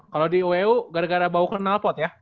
kalau di uu gara gara bau kenal pot ya